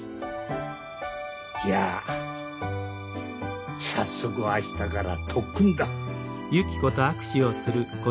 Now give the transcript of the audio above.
じゃあ早速明日から特訓だ。